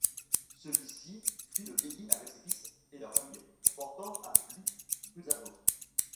Celui-ci fuit le pays avec ses fils et leurs familles, emportant avec lui crusados.